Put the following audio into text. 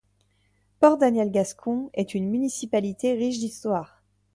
Port Daniel Gascon est une municipalité riche d’histoire.